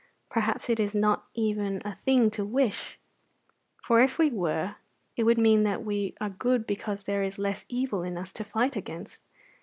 Perhaps it is not even a thing to wish; for if we were, it would mean that we are good because there is less evil in us to fight against.